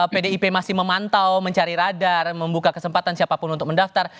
pdip masih memantau mencari radar membuka kesempatan siapapun untuk mendaftar